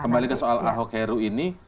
kembali ke soal ahok heru ini